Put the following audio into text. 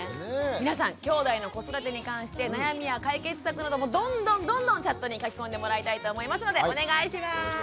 皆さんきょうだいの子育てに関して悩みや解決策などもどんどんどんどんチャットに書き込んでもらいたいと思いますのでお願いします。